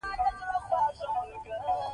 اوس چې مې دې لاره کې چټلي ولیده.